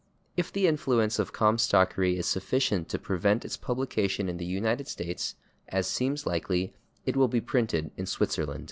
If the influence of comstockery is sufficient to prevent its publication in the United States, as seems likely, it will be printed in Switzerland.